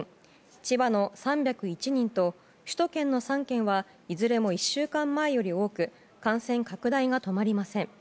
千葉の３０１人と首都圏の３県はいずれも１週間前より多く感染拡大が止まりません。